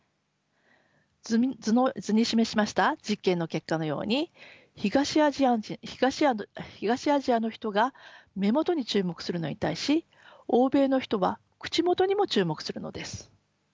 図に示しました実験の結果のように東アジアの人が目元に注目するのに対し欧米の人は口元にも注目するのです。